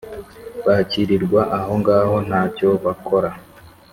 bakirirwa aho ngáhó ntacyo bakora